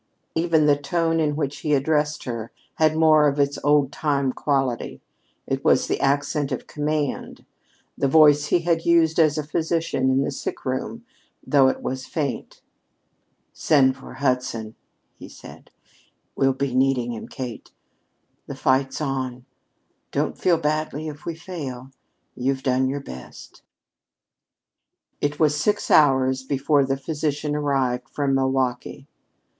Even the tone in which he addressed her had more of its old time quality. It was the accent of command, the voice he had used as a physician in the sick room, though it was faint. "Send for Hudson," he said. "We'll be needing him, Kate. The fight's on. Don't feel badly if we fail. You've done your best." It was six hours before the physician arrived from Milwaukee.